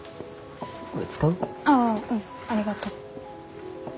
ああうんありがと。